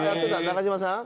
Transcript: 中島さん？